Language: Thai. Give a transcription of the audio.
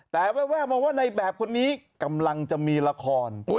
แต่แว่มองว่าในแบบกลางจะมีละคร